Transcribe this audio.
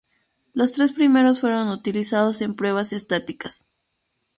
Los tres primeros fueron utilizados en pruebas estáticas.